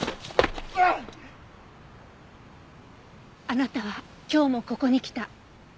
あなたは今日もここに来た。